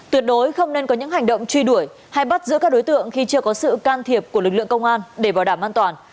tuyệt đối không nên có những hành động truy đuổi hay bắt giữ các đối tượng khi chưa có sự can thiệp của lực lượng công an để bảo đảm an toàn